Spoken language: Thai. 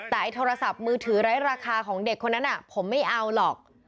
แต่ไอ้โทรศัพท์มือถือไร้ราคาของเด็กคนนั้นผมไม่เอาหรอก